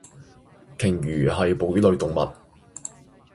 鯨魚係哺乳類動物